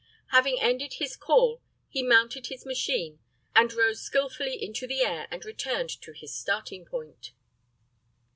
Having ended his "call," he mounted his machine and rose skilfully into the air and returned to his starting point.